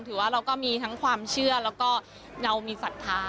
ถือว่าเราก็มีทั้งความเชื่อแล้วก็เรามีศรัทธา